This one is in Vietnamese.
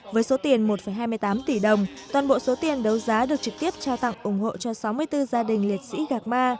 với số tiền một hai mươi tám tỷ đồng toàn bộ số tiền đấu giá được trực tiếp trao tặng ủng hộ cho sáu mươi bốn gia đình liệt sĩ gạc ma